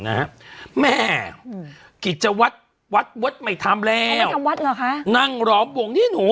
นะฮะแม่กิจวัดวัดวัดไม่ทำแล้วไม่ทำวัดเหรอค่ะนั่งรอบวงนี่หนู